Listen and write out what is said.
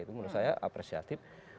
itu menurut saya apresiatif